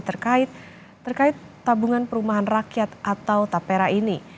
terkait tabungan perumahan rakyat atau tapera ini